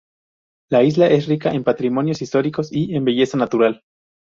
La isla es rica en patrimonios históricos y en belleza natural.